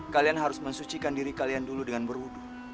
kalian harus mensucikan diri kalian dulu dengan berwudu